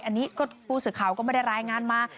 อันนี้ก็ภูศิเขาก็ไม่ได้รายงานมา